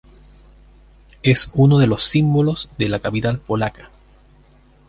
Es uno de los símbolos de la capital polaca.